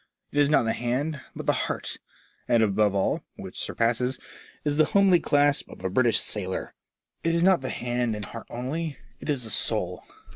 It is not the hand, but the heart; and above all — which surpasses — ^is the homely clasp of a British sailor.. It is not the hand and heart only, it is the soul.